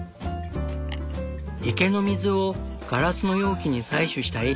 池の水をガラスの容器に採取したエリー。